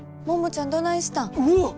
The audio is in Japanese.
桃ちゃんどないしたん？